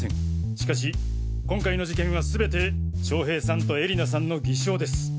しかし今回の事件はすべて将平さんと絵里菜さんの偽証です。